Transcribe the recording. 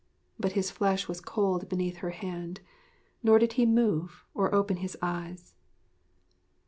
But his flesh was cold beneath her hand, nor did he move or open his eyes.